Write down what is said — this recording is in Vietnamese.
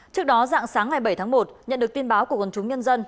trước đó dạng sáng ngày bảy tháng một nhận được tin báo của quần chúng nhân dân